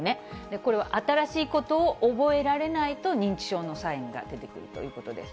これは新しいことを覚えられないと認知症のサインが出てくるということです。